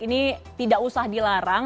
ini tidak usah dilarang